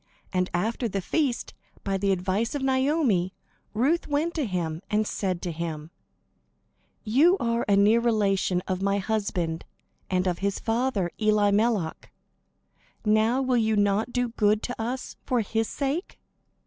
And after the feast, by the advice of Naomi, Ruth went to him, and said to him: "You are a near relation of my husband and of his father, Elimelech. Now will you not do good to us for his sake?"